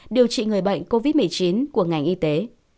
điều trị người bệnh covid một mươi chín của ngành y tế